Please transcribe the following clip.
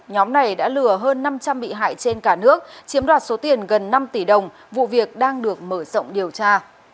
nhóm này đã lừa hơn năm trăm linh bị hại trên cả nước chiếm đoạt số tiền gần năm tỷ đồng vụ việc đang được mở rộng điều tra